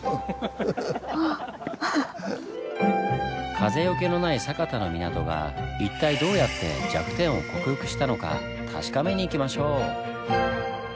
風よけのない酒田の港が一体どうやって弱点を克服したのか確かめに行きましょう！